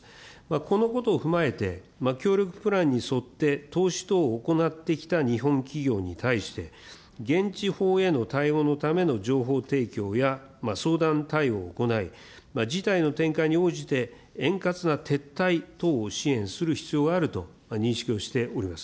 このことを踏まえて、協力プランに沿って投資等を行ってきた日本企業に対して、現地法への対応のための情報提供や、相談対応を行い、事態の展開に応じて円滑な撤退等を支援する必要があると認識をしております。